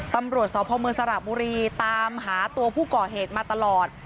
ตำรวจสพมสระบุรีตามหาตัวผู้ก่อเหตุมาตลอด